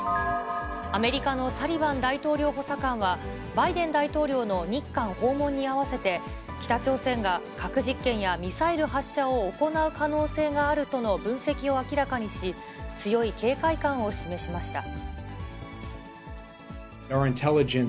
アメリカのサリバン大統領補佐官は、バイデン大統領の日韓訪問に合わせて、北朝鮮が核実験やミサイル発射を行う可能性があるとの分析を明らかにし、強い警戒感を示しました。